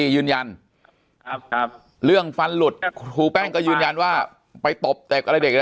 ยืนยันเรื่องฟันหลุดครูแป้งก็ยืนยันว่าไปตบเด็กอะไรเด็ก